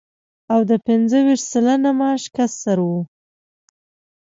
او د پنځه ویشت سلنه معاش کسر و